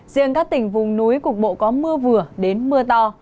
riêng các tỉnh vùng núi cục bộ có mưa vừa đến mưa to